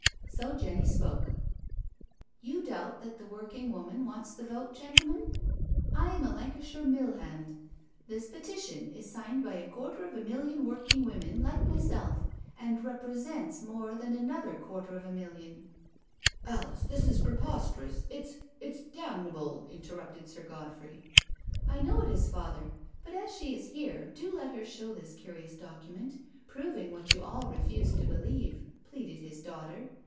So Jenny spoke. " You doubt that the working woman wants the vote, gentlemen? I am a Lancashire mill hand • This Petition is signed by a quarter of a million working women like myself, and represents more than another quarter of a knillion ..."*• Alice, this is preposterous I 1 1 's — it 's. — damn able " interrupted Sir Godfrey. " I know it is. Father— but as she is here, do let her show this curious document, proving what you all re 240 NO SURRENDER fused to believe/' pleaded his daughter.